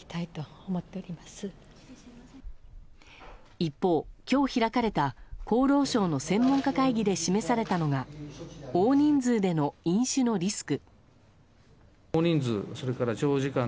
一方、今日開かれた厚労省の専門家会議で示されたのが大人数での飲酒のリスク。